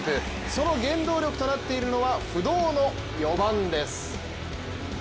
その原動力となっているのは不動の４番です。